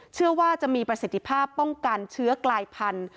เชื่อว่าจะมีประสิทธิภาพป้องกันเชื้อกลายพันธุ์